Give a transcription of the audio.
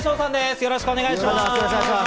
よろしくお願いします。